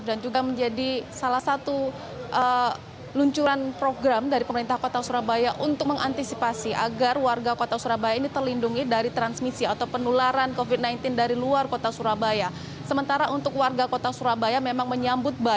bagaimana bisa mendapatkan hasilnya